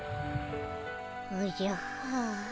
おじゃはあ。